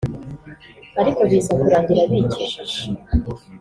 ariko biza kurangira bikijije